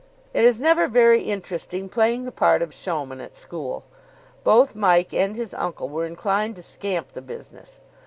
It is never very interesting playing the part of showman at school. Both Mike and his uncle were inclined to scamp the business.